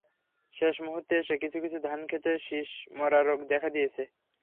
শেষ মুহূর্তে এসে কিছু কিছু ধানখেতে শিষ মরা রোগ দেখা দিয়েছে।